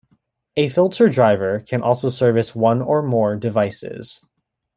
A filter driver can also service one or more devices.